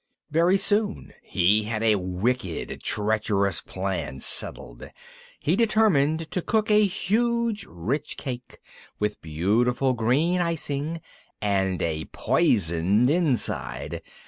Very soon he had a wicked, treacherous plan settled. He determined to cook a huge rich cake, with beautiful green icing and a poisoned inside.